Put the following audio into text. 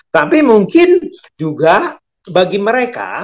tapi mungkin juga bagi mereka